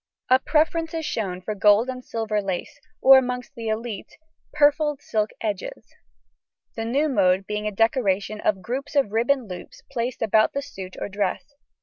A preference is shown for gold and silver lace, or amongst the élite purfled silk edges; the new mode being a decoration of groups of ribbon loops placed about the suit or dress.